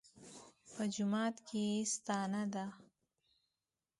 په جماعت کې یې ستانه ده.